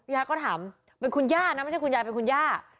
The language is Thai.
ยายก็ถามเป็นคุณย่านะไม่ใช่คุณยายเป็นคุณย่า